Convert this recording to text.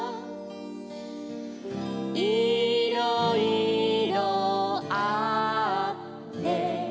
「いろいろあって」